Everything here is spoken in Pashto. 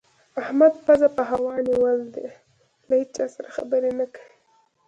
احمد پزه په هوا نيول ده؛ له هيچا سره خبرې نه کوي.